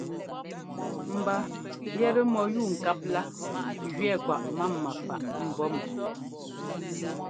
Mba yɛtɛ mɔyúubŋkáp lá gẅɛɛ kwaꞌ mama faꞌ mbɔ̌ mɔ.